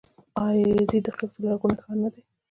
آیا یزد د خښتو لرغونی ښار نه دی؟